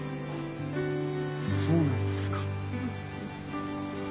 そうなんですか。